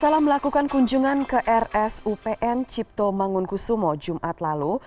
setelah melakukan kunjungan ke rsupn cipto mangunkusumo jumat lalu